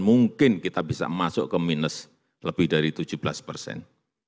mungkin kita bisa masuk ke minus lebih dari tujuh belas persen